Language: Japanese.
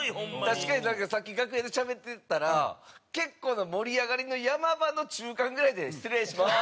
確かになんかさっき楽屋でしゃべってたら結構な盛り上がりの山場の中間ぐらいで「失礼します」。